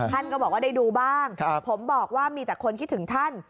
ท่านก็บอกว่าได้ดูบ้างผมบอกว่ามีแต่คนคิดถึงท่าน